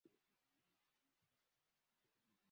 na marekebisho mengi yalimalizika ambayo bado yanasababisha